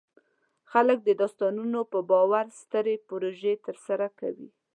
خلک د داستانونو په باور سترې پروژې ترسره کوي.